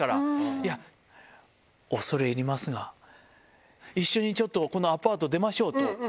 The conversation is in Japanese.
いや、恐れ入りますが、一緒にちょっとこのアパート出ましょうと。